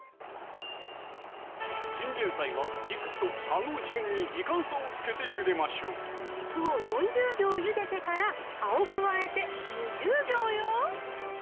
チンゲン菜は軸と葉の順に時間差をつけてゆでましょう軸を４０秒ゆでてから葉を加えて２０秒よ！